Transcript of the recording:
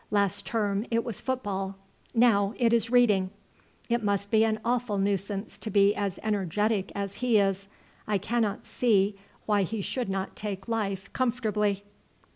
Last term it was football, now it is reading. It must be an awful nuisance to be as energetic as he is. I cannot see why he should not take life comfortably."